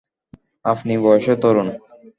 আপনি বয়সে তরুণ।